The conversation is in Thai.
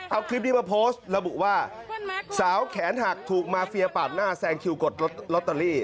เอาคลิปนี้มาโพสต์ระบุว่าสาวแขนหักถูกมาเฟียปาดหน้าแซงคิวกดลอตเตอรี่